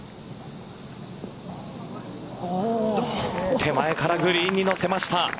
手前からグリーンに乗せました。